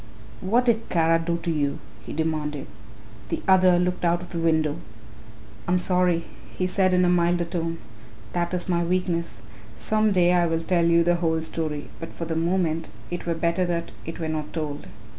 "What did Kara do to you?" he demanded. The other looked out of the window. "I am sorry," he said in a milder tone; "that is my weakness. Some day I will tell you the whole story but for the moment it were better that it were not told.